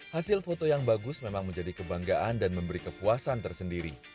hasil foto yang bagus memang menjadi kebanggaan dan memberi kepuasan tersendiri